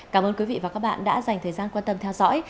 cảm ơn quý vị và các bạn đã dành thời gian quan tâm theo dõi